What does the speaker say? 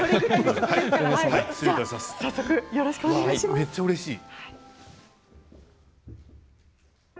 めっちゃうれしい。